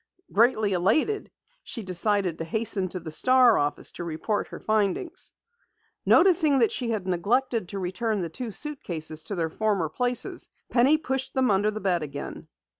Greatly elated, she decided to hasten to the Star office to report her findings. Noticing that she had neglected to return the two suitcases to their former places, Penny pushed them under the bed again.